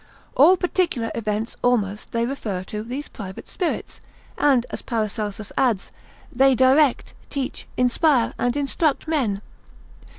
All particular events almost they refer to these private spirits; and (as Paracelsus adds) they direct, teach, inspire, and instruct men.